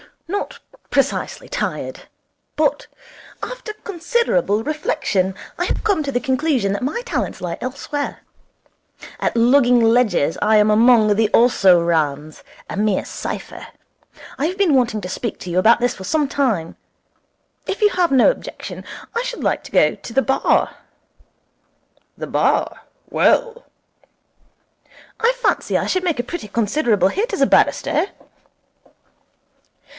'Not precisely tired. But, after considerable reflection, I have come to the conclusion that my talents lie elsewhere. At lugging ledgers I am among the also rans a mere cipher. I have been wanting to speak to you about this for some time. If you have no objection, I should like to go to the Bar.' 'The Bar? Well ' 'I fancy I should make a pretty considerable hit as a barrister.'